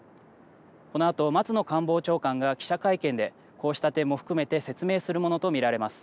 このあと松野官房長官が記者会見でこうした点も含めて説明するものと見られます。